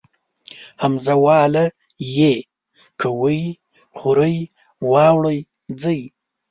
همزه واله ئ کوئ خورئ راوړئ ځئ